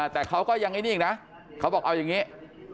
แต่เขาก็ยังไอ้นิ่งนะเขาบอกเอาอย่างนี้